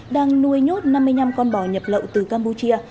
đang nuôi nhốt năm mươi năm con bò nhập lậu từ campuchia